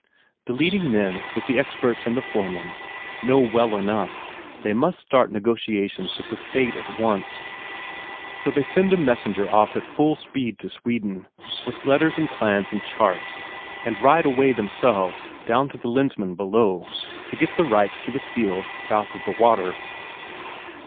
The leading men, with the experts and the foremen, know well enough; they must start negotiations with the State at once. So they send a messenger off at full speed to Sweden, with letters and plans and charts, and ride away themselves down to the Lensmand below, to get the rights of the fjeld south of the water.